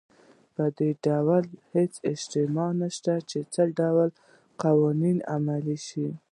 په دې اړه هېڅ اجماع نشته چې څه ډول قوانین عملي شي.